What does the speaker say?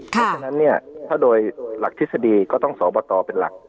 เพราะฉะนั้นหลักทฤษฎีก็ต้องสออบตเป็นหลัก